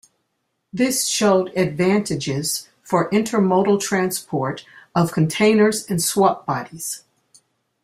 This showed advantages for intermodal transport of containers and swap bodies.